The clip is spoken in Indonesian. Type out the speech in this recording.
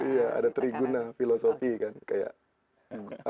iya ada tri guna filosofi kan kayak apa namanya